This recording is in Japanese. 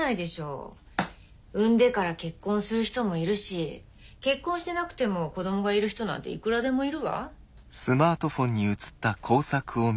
産んでから結婚する人もいるし結婚してなくても子供がいる人なんていくらでもいるわ。